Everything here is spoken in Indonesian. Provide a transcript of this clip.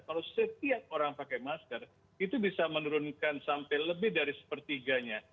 kalau setiap orang pakai masker itu bisa menurunkan sampai lebih dari sepertiganya